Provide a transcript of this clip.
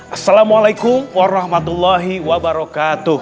assalamualaikum warahmatullahi wabarakatuh